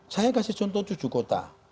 saya kasih contoh tujuh kota